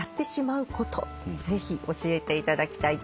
ぜひ教えていただきたいと思います。